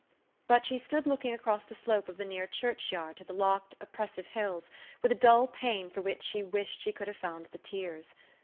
But she stood looking across the slope of the near church yard to the locked, oppressive hills, with a dull pain for which she wished she could have found the tears.